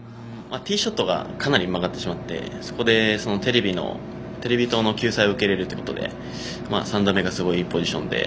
ティーショットがかなり曲がってしまってそこでテレビ塔の救済を受けられるということで３打目がすごくいいポジションで。